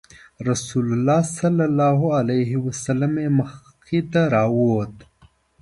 رسول الله صلی الله علیه وسلم یې مخې ته راووت.